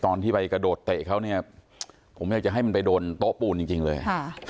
ตอนที่ไปกระโดดเตะเขาเนี่ยผมไม่อยากจะให้มันไปโดนโต๊ะปูนจริงเลย